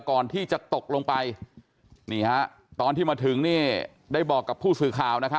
ก่อนที่จะตกลงไปนี่ฮะตอนที่มาถึงนี่ได้บอกกับผู้สื่อข่าว